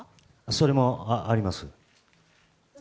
それもあります。